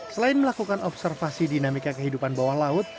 selain melakukan observasi dinamika kehidupan bawah laut